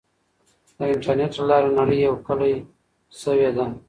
د انټرنیټ له لارې نړۍ یو کلی سوی دی.